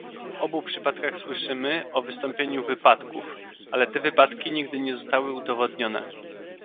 W obu przypadkach słyszymy o wystąpieniu wypadków, ale te wypadki nigdy nie zostały udowodnione